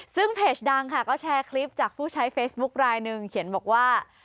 ซึ่งเพจดังค่ะก็แชร์คลิปจากผู้ใช้เฟซบุ๊คลายหนึ่งเขียนบอกว่า